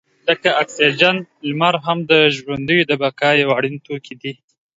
لکه اکسیجن، لمر هم د ژوندیو د بقا یو اړین توکی دی.